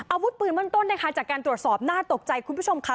อาวุธปืนเบื้องต้นนะคะจากการตรวจสอบน่าตกใจคุณผู้ชมค่ะ